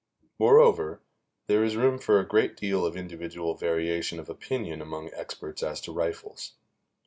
Moreover, there is room for a great deal of individual variation of opinion among experts as to rifles.